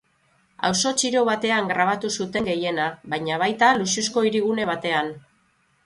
Auzo txiro batean grabatu zuten gehiena, baina baita luxuzko hirigune batean.